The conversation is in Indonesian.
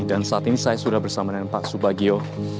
dan saat ini saya sudah bersama dengan pak subagio